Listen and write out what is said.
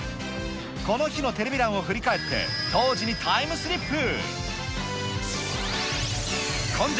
この日のテレビ欄を振り返って、当時にタイムスリップ。